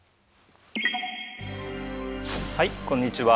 はいこんにちは。